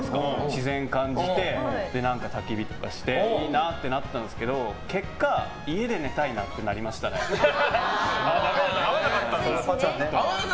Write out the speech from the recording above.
自然を感じて、たき火とかしていいなってなったんですけど結果、家で合わなかったんだ。